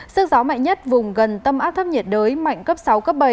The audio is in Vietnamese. sức gió mạnh nhất vùng gần tâm áp thấp nhiệt đới mạnh cấp sáu cấp bảy